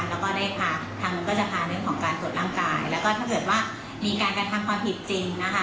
แล้วก็ได้พาทางนู้นก็จะพาเรื่องของการตรวจร่างกายแล้วก็ถ้าเกิดว่ามีการกระทำความผิดจริงนะคะ